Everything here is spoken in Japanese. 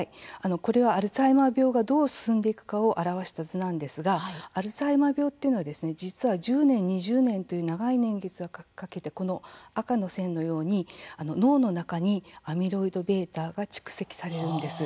これはアルツハイマー病がどう進んでいくかを表した図なんですがアルツハイマー病というのは実は１０年、２０年という長い年月をかけて赤の線のように脳の中にアミロイドβが蓄積されるんです。